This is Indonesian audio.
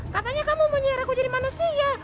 katanya kamu mau nyerah aku jadi manusia